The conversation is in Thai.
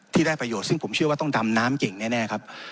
ที่ได้ประโยชน์ซึ่งผมเชื่อว่าต้องดำน้ำเก่งแน่ครับ